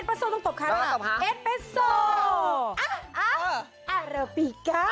โปรดติดตามต่อไป